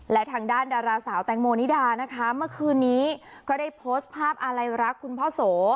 และทางด้านดาราสาวแตงโมนิดานะคะเมื่อคืนนี้ก็ได้โพสต์ภาพอาลัยรักคุณพ่อโส